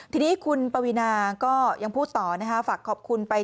ทีนี้คุณปวินาณี่ยงพูดต่อฝากขอบคุณไป